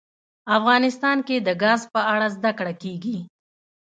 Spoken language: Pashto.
افغانستان کې د ګاز په اړه زده کړه کېږي.